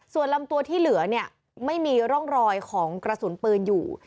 ส่วนลำตัวที่เหลือเนี่ยไม่มีร่องรอยของกระสุนปืนอยู่